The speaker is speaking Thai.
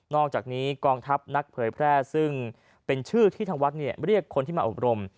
อกจากนี้กองทัพนักเผยแพร่ซึ่งเป็นชื่อที่ทางวัดเรียกคนที่มาอบรม